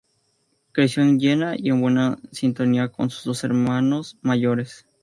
Creció en Jena y en buena sintonía con sus dos hermanos mayores.